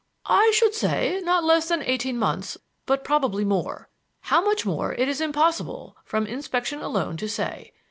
"I should say not less than eighteen months, but probably more. How much more it is impossible from inspection alone to say.